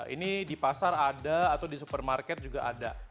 ini di pasar ada atau di supermarket juga ada